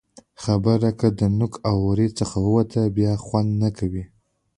که خبره له نوک او ورۍ څخه ووته؛ بیا خوند نه کوي.